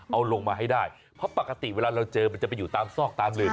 เอาลงมาให้ได้เพราะปกติเวลาเราเจอมันจะไปอยู่ตามซอกตามลืม